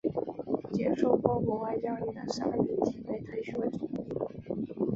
接受过国外教育的沙比提被推举为总理。